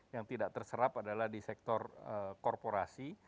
yang tidak terserap adalah di sektor korporasi